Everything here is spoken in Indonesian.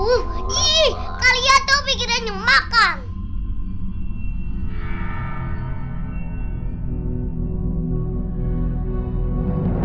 ih kalian tuh pikirannya makan